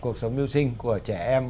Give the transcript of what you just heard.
cuộc sống mưu sinh của trẻ em